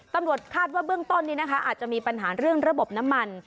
ตำรวจคาดว่าเบื้องต้นนี้นะคะอาจจะมีปัญหาเรื่องระบบน้ำมัน